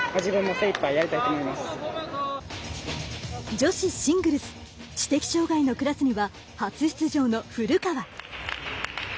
女子シングルス知的障がいのクラスには初出場の古川。